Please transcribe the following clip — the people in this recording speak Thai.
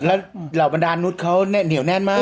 แล้วเหล่าบรรดานุษย์เขาเหนียวแน่นมาก